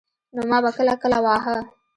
نو ما به کله کله واهه.